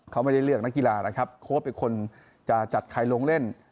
เขาไม่ได้เลือกนักกีฬานะครับโค้ชเป็นคนจะจัดใครลงเล่น